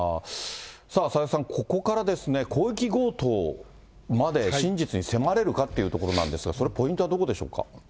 さあ、佐々木さん、ここからですね、広域強盗まで真実に迫れるかというところなんですが、そのポイントはどこでしょうか。